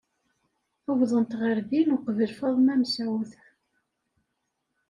Uwḍent ɣer din uqbel Faḍma Mesɛud.